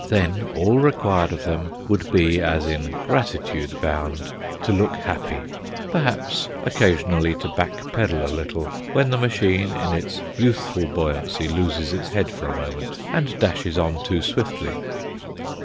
Then all required of them would be, as in gratitude bound, to look happy; perhaps, occasionally to back pedal a little when the machine in its youthful buoyancy loses its head for a moment and dashes on too swiftly.